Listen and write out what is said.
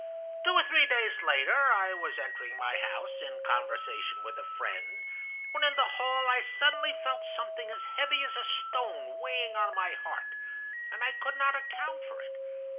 "Two or three days later I was entering my house, in conversation with a friend, when in the hall I suddenly felt something as heavy as a stone weighing on my heart, and I could not account for it.